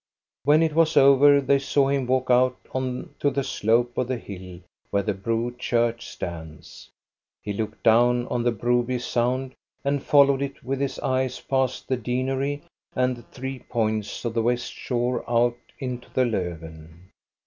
When it was over, they saw him walk out on to the slope of the hill where the Bro church stands. He looked down on the Broby Sound and followed it with his eyes past the deanery and the three points of the west shore out into the Lofven.